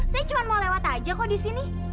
saya cuma mau lewat aja kok disini